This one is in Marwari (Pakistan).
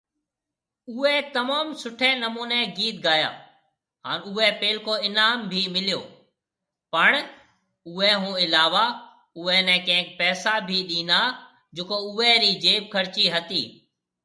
اوئي تموم ۿٺي نموني گيت گايا هان اوئي پهلڪو انعام بِي مليو، پڻ اوئي ھونعلاوه اوئي ني ڪئينڪ پئسا بِي ڏينا جڪو اوئي ري جيب خرچي هتي۔